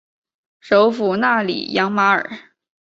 首府纳里扬马尔。